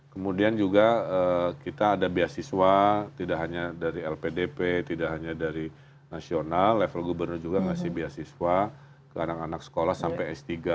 kemudian juga kita ada beasiswa tidak hanya dari lpdp tidak hanya dari nasional level gubernur juga ngasih beasiswa ke anak anak sekolah sampai s tiga